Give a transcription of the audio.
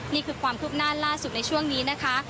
นี่คือความคืบหน้าล่าสุดในช่วงนี้นะคะ